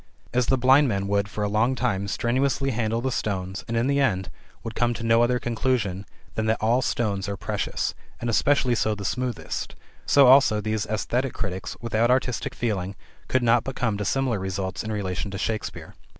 As the blind man would for a long time strenuously handle the stones and in the end would come to no other conclusion than that all stones are precious and especially so the smoothest, so also these esthetic critics, without artistic feeling, could not but come to similar results in relation to Shakespeare.